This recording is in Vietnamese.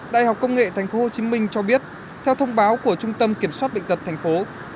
đại học công nghệ tp hcm cho biết theo thông báo của trung tâm kiểm soát bệnh tật tp